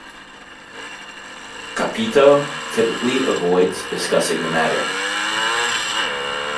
Capito typically avoids discussing the matter.